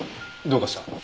どうかした？